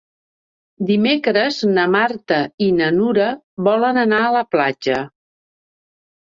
Dimecres na Marta i na Nura volen anar a la platja.